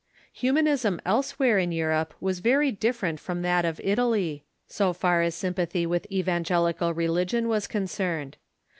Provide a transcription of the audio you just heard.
Humanism elsewhere in Europe was very different from that of Italy, so far as sympathy with evangelical religion was concerned.